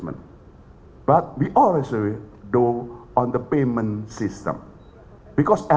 tetapi kita juga melakukan transaksi di sistem pembayaran